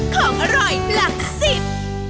ของอร่อยหลักสิบ